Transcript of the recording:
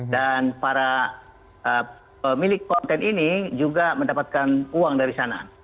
dan para milik konten ini juga mendapatkan uang dari sana